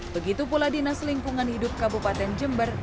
begitu pula dinas lingkungan hidup kabupaten jember